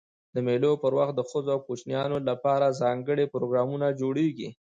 د مېلو پر وخت د ښځو او کوچنيانو له پاره ځانګړي پروګرامونه جوړېږي.